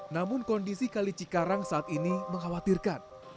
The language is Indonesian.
namun kondisi kali cikarang saat ini mengkhawatirkan